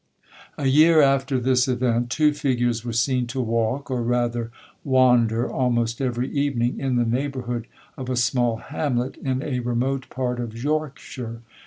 'A year after this event, two figures were seen to walk, or rather wander, almost every evening, in the neighbourhood of a small hamlet in a remote part of Yorkshire.